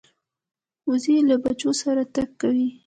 وزې له بچو سره تګ کوي